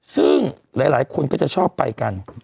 ซึ่งหลายคนก็จะชอบไปกัน